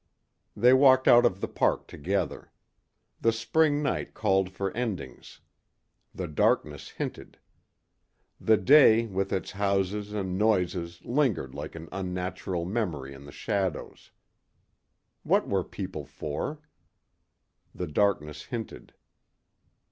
They walked out of the park together. The spring night called for endings. The darkness hinted. The day with its houses and noises lingered like an unnatural memory in the shadows. What were people for? The darkness hinted.